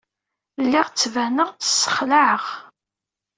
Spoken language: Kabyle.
Lliɣ ttbaneɣ-d ssexlaɛeɣ.